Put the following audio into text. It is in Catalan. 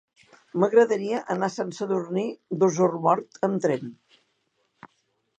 M'agradaria anar a Sant Sadurní d'Osormort amb tren.